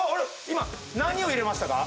今何を入れましたか？